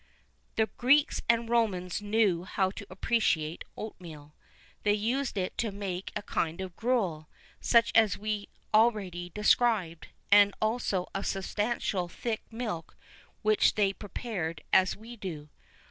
The Greeks and Romans knew how to appreciate oatmeal:[V 17] they used it to make a kind of gruel, such as we have already described, and also a substantial thick milk, which they prepared as we do.